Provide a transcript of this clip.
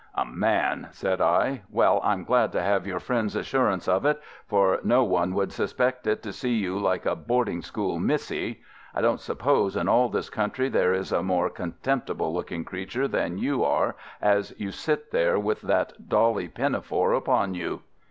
"'A man!' said I. 'Well, I'm glad to have your friend's assurance of it, for no one would suspect it to see you like a boarding school missy. I don't suppose in all this country there is a more contemptible looking creature than you are as you sit there with that Dolly pinafore upon you.